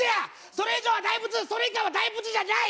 それ以上は大仏それ以下は大仏じゃない！